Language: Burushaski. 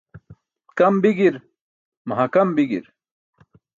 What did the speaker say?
Kam bi̇gi̇i̇r, mahkam bi̇gi̇i̇r.